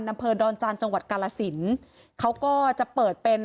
ดดจกลสินเขาก็จะเปิดเป็น